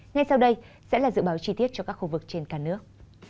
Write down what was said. ngay sau đây sẽ là dự báo chi tiết cho các khu vực trên cả nước